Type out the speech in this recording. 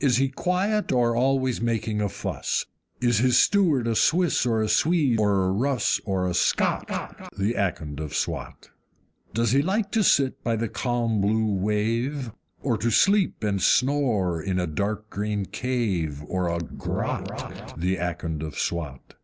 Is he quiet, or always making a fuss? Is his steward a Swiss or a Swede or a Russ, or a SCOT, The Akond of Swat? Does he like to sit by the calm blue wave? Or to sleep and snore in a dark green cave, or a GROTT, The Akond of Swat?